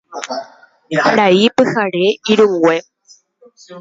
Karai pyhare irũngue